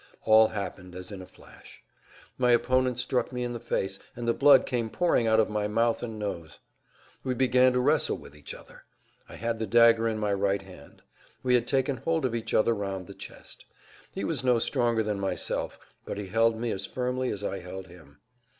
All happened as in a flash. My opponent struck me in the face, and the blood came pouring out of my mouth and nose. We began to wrestle with each other. I[Pg 177] had the dagger in my right hand. We had taken hold of each other round the chest. He was no stronger than myself, but he held me as firmly as I held him.